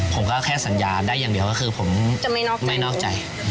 ผมก็แค่สัญญาได้อย่างเดียวก็คือผมไม่นอกใจ